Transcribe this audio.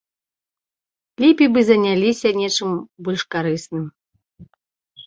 Лепей бы заняліся нечым больш карысным.